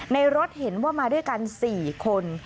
รถเห็นว่ามาด้วยกัน๔คน